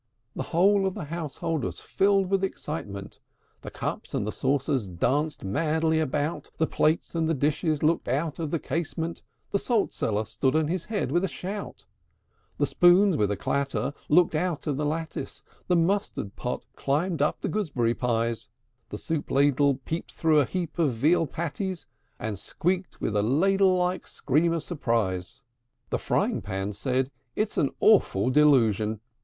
IV. The whole of the household was filled with amazement: The Cups and the Saucers danced madly about; The Plates and the Dishes looked out of the casement; The Salt cellar stood on his head with a shout; The Spoons, with a clatter, looked out of the lattice; The Mustard pot climbed up the gooseberry pies; The Soup ladle peeped through a heap of veal patties, And squeaked with a ladle like scream of surprise. V. The Frying pan said, "It's an awful delusion!"